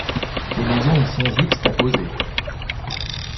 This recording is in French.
Les maisons y sont juxtaposées.